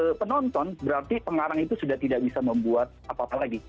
kalau penonton berarti pengarang itu sudah tidak bisa membuat apa apa lagi